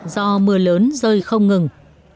do mưa lớn rơi không ngừng